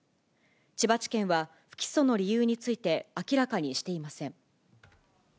千葉地検は不起訴の理由について明らかにしていません。